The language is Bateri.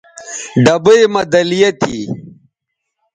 ڈبئ مہ دَلیہ تھی